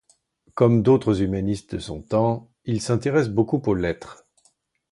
Comme d'autres humanistes de son temps, il s'intéresse beaucoup aux Lettres.